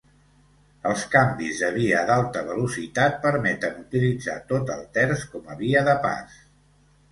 Els canvis de via d'alta velocitat permeten utilitzar tot el terç com a via de pas.